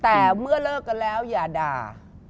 แต่เมื่อเลิกกันแล้วอย่าด่า